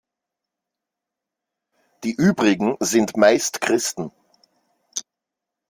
Die übrigen sind meist Christen.